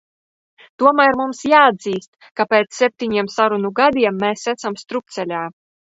Tomēr mums jāatzīst, ka pēc septiņiem sarunu gadiem mēs esam strupceļā.